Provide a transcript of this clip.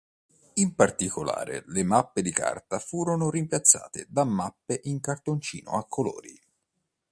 In particolare le mappe di carta furono rimpiazzate da mappe in cartoncino a colori.